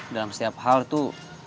dalam setiap hal tuh